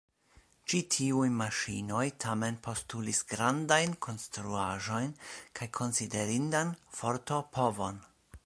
Ĉi tiuj maŝinoj tamen postulis grandajn konstruaĵojn kaj konsiderindan forto-povon.